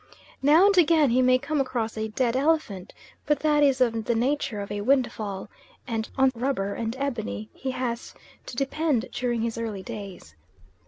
Now and again he may come across a dead elephant, but that is of the nature of a windfall; and on rubber and ebony he has to depend during his early days.